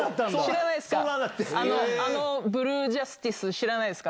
知らないですか？